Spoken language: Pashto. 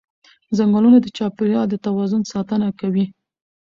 ځنګلونه د چاپېریال د توازن ساتنه کوي